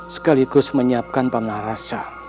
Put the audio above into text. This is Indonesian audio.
sekaligus menyiapkan pamanah rasa